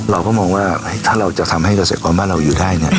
เราก็มองว่าถ้าเราจะทำให้เกษตรกรบ้านเราอยู่ได้